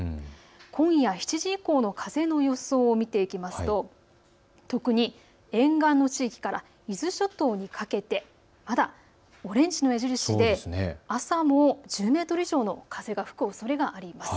今夜７時以降の風の予想を見ていきますと特に沿岸の地域から伊豆諸島にかけてまだオレンジの矢印で朝も１０メートル以上の風が吹くおそれがあります。